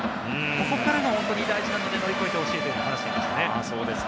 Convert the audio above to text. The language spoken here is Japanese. ここからが本当に大事なので乗り越えてほしいと話していました。